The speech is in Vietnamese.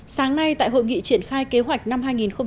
sáng nay tại hội nghị triển khai kế hoạch năm hai nghìn một mươi tám